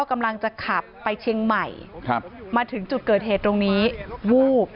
กำลังจะขับไปเชียงไขม่